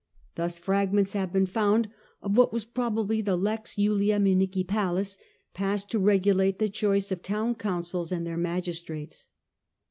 Thus, fragments have been found of what was probably the Lex Julia Municipalise passed to regulate the choice of town councils and their magistrates.